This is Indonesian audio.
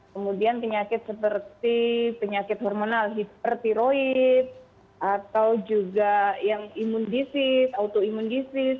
kemudian penyakit seperti penyakit hormonal hipertiroid atau juga yang imun disis auto imun disis